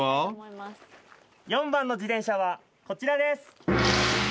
４番の自転車はこちらです。